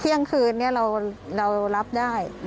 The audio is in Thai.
เที่ยงคืนนี้เรารับได้